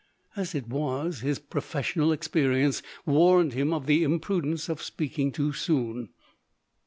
As it was, his professional experience warned him of the imprudence of speaking too soon.